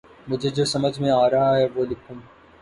مجھے جو سمجھ میں آرہا ہے وہ لکھوں